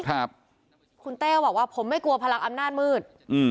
ครับคุณเต้บอกว่าผมไม่กลัวพลังอำนาจมืดอืม